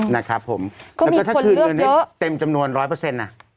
แล้วก็ถ้าคืนเงินให้เต็มจำนวน๑๐๐อ่ะ